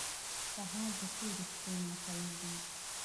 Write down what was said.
سهار د تورې شپې ماتول دي.